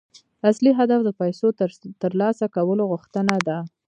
اصلي هدف د پيسو ترلاسه کولو غوښتنه ده.